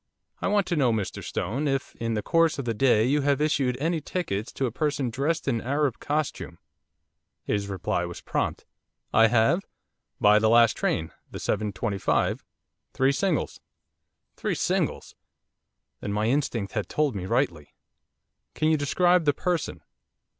'I want to know, Mr Stone, if, in the course of the day, you have issued any tickets to a person dressed in Arab costume?' His reply was prompt. 'I have by the last train, the 7.25, three singles.' Three singles! Then my instinct had told me rightly. 'Can you describe the person?